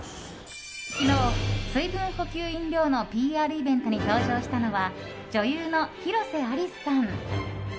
昨日、水分補給飲料のＰＲイベントに登場したのは女優の広瀬アリスさん。